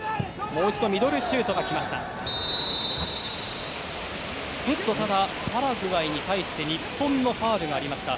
もう一度ミドルシュートが来ました。